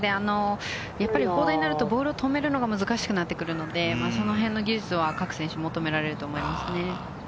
やっぱり砲台になると、ボールを止めるのが難しくなってくるので、そのへんの技術は各選手求められると思いますね。